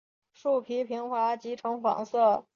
树皮平滑及呈黄色。